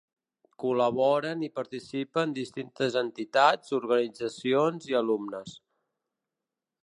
Col·laboren i participen distintes entitats, organitzacions i alumnes.